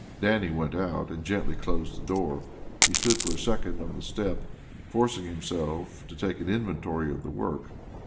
Dannie went out and gently closed the door. He stood for a second on the step, forcing himself to take an inventory of the work.